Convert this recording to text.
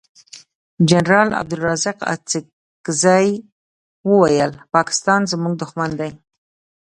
جنرال عبدلرازق اڅګزی وویل پاکستان زمونږ دوښمن دی.